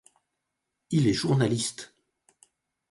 Il est journaliste.